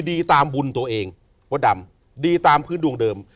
ดีตามบุญตัวเองมดดำดีตามพื้นดวงเดิม